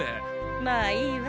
まあいいわ。